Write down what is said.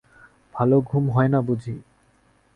ভালো ঘুম হয় না বুঝি?